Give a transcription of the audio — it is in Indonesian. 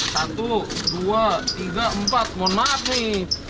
satu dua tiga empat mohon maaf nih